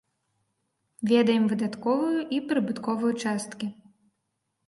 Ведаем выдатковую і прыбытковую часткі.